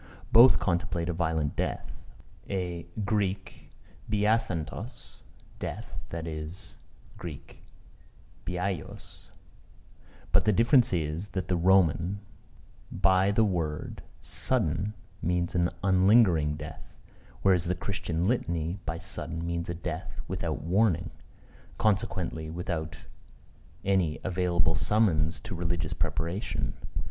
Both contemplate a violent death; a [Greek: biathanatos] death that is [Greek: biaios]: but the difference is that the Roman by the word "sudden" means an unlingering death: whereas the Christian Litany by "sudden" means a death without warning, consequently without any available summons to religious preparation.